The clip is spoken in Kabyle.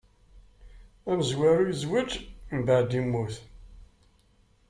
Amezwaru izweǧ, mbeɛd yemmut.